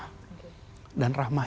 kita ingin kota kita ini ramah